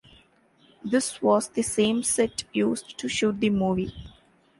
This was the same set used to shoot the movie.